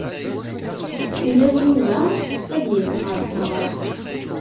Ula d Yuba ad yas ɣer tmeɣṛa.